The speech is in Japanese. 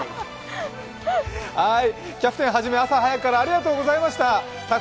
キャプテンはじめ、朝早くからありがとうございました。